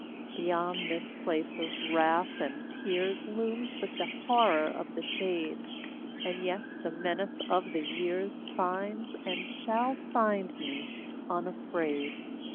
Beyond this place of wrath and tears Looms but the horror of the shade, And yet the menace of the years Finds, and shall find me, unafraid.